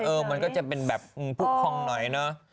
เออมันก็จะเป็นแบบอืมผุ้คหน่อยเนาะ